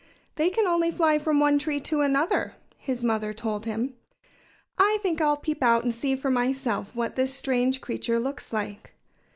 "They can only fly from one tree to another," his mother told him. "I think I'll peep out and see for myself what this strange creature looks like."